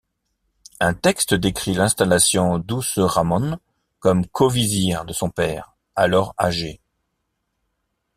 Un texte décrit l'installation d'Ouseramon comme co-vizir de son père, alors âgé.